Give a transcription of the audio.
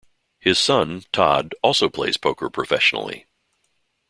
His son, Todd, also plays poker professionally.